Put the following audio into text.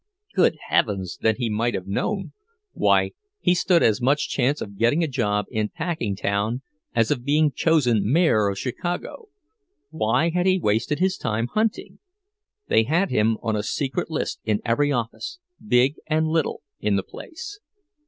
Good heavens, then he might have known! Why, he stood as much chance of getting a job in Packingtown as of being chosen mayor of Chicago. Why had he wasted his time hunting? They had him on a secret list in every office, big and little, in the place.